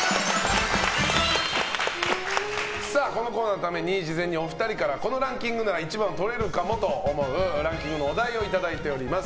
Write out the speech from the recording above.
このコーナーのために事前にお二人からこのランキングなら１番をとれるかもと思うランキングのお題をいただいております。